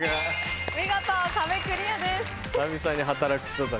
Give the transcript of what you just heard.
見事壁クリアです。